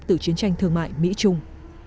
từ chiến tranh thương mại mỹ trung